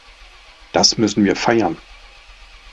Das müssen wir feiern.